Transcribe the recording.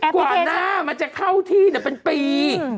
กว่าหน้ามันจะเข้าที่เป็นปี